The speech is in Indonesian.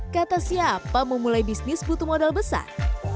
kata siapa memulai bisnis butuh modal besar